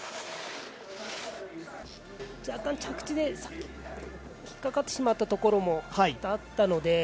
若干着地で、引っ掛かってしまったところもあったので。